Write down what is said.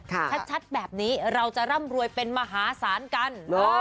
ชัดแบบนี้เราจะร่ำรวยเป็นมหาศาลกัน